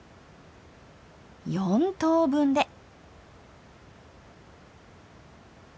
４等分で！